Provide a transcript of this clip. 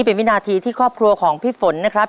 เป็นวินาทีที่ครอบครัวของพี่ฝนนะครับ